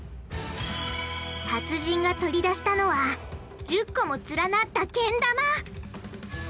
達人が取り出したのは１０個も連なったけん玉！